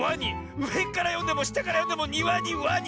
うえからよんでもしたからよんでもニワにワニ。